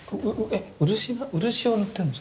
えっ漆漆を塗ってるんですか？